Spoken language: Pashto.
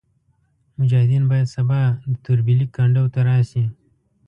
مجاهدین باید سبا د توربېلې کنډو ته راشي.